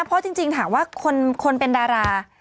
เพราะจริงถามว่าคนเป็นดารา